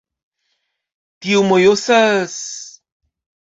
Tio mojosas...